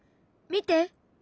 見て！